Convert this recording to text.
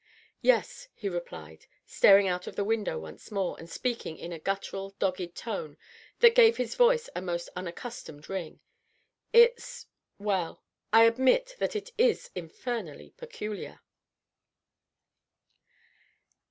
" Yes," he replied, staring out of the window once more and speak ing in a guttural, dogged tone that gave his voice a most unaccustomed ring. "It's .. well, I admit that it ia infernally peculiar."